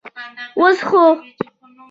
اوس خو.